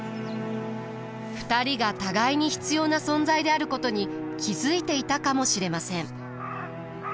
２人が互いに必要な存在であることに気付いていたかもしれません。